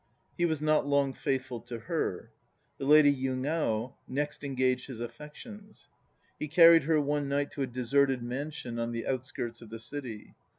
He was not long faithful to her. The lady Yugao next engaged his affections. He carried her one night to a deserted mansion on the outskirts of the City.